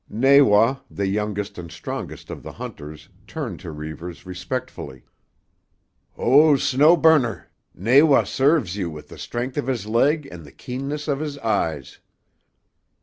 Nawa, the youngest and strongest of the hunters, turned to Reivers respectfully. "Oh, Snow Burner, Nawa serves you with the strength of his leg and the keenness of his eyes.